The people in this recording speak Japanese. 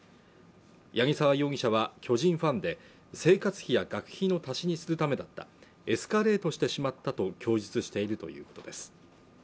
八木沢容疑者は巨人ファンで生活費や学費の足しにするためだったエスカレートしてしまったと供述しているということです